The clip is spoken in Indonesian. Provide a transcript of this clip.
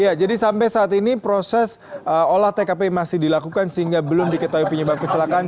ya jadi sampai saat ini proses olah tkp masih dilakukan sehingga belum diketahui penyebab kecelakaan